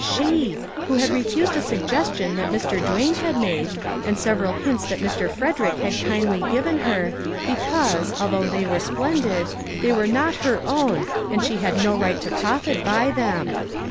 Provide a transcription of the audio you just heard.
She! who had refused a suggestion that Mr. Duane had made, and several hints that Mr. Frederick had kindly given her, be cause, although they were splendid, they were not her own and she had no right to profit by them.